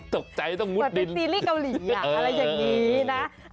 ตกใจต้องมุดติดซีรีส์เกาหลีอะไรอย่างนี้นะ